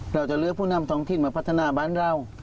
เราจะเลือกผู้นำท้องถิ่นมาพัฒนาบ้านเรา